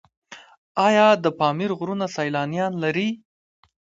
آیا د پامیر غرونه سیلانیان لري؟